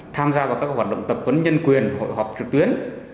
tham gia vào các hoạt động tập huấn nhân quyền hội họp trực tuyến